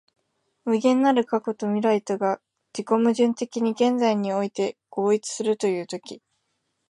無限なる過去と未来とが自己矛盾的に現在において合一するという時、